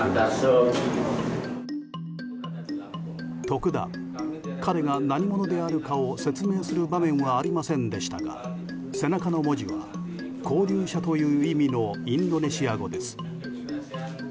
特段、彼が何者であるかを説明する場面はありませんでしたが背中の文字は勾留者という意味のインドネシア語です。